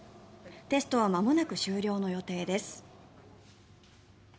テストはまもなく終了の予定です。